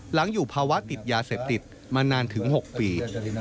อยู่ภาวะติดยาเสพติดมานานถึง๖ปี